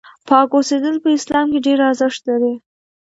پاک اوسېدل په اسلام کې ډېر ارزښت لري.